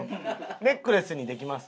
ネックレスにできます？